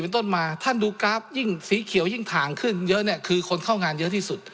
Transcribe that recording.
ต้นมาท่านดูกราฟยิ่งสีเขียวยิ่งถ่างขึ้นเยอะเนี่ยคือคนเข้างานเยอะที่สุด